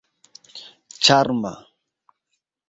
ĉarma